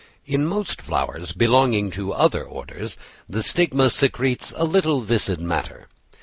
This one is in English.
In most flowers belonging to other orders the stigma secretes a little viscid matter.